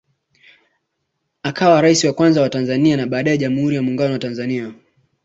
Akawa rais wa Kwanza wa Tanganyika na baadae Jamhuri ya Muungano wa Tanzania